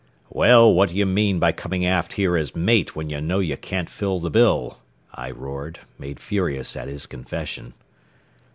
"Well, what do you mean by coming aft here as mate when you know you can't fill the bill?" I roared, made furious at his confession.